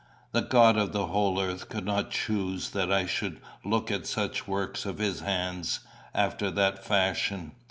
The God of the whole earth could not choose that I should look at such works of his hands after that fashion.